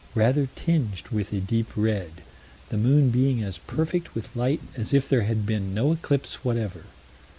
"rather tinged with a deep red"... "the moon being as perfect with light as if there had been no eclipse whatever."